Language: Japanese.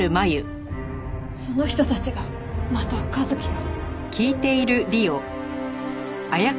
その人たちがまた和樹を。